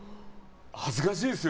恥ずかしいですよ